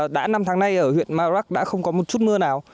đã năm tháng nay ở huyện mờ rắc đã không có một chút mưa nào